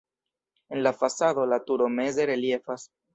En la fasado la turo meze reliefas.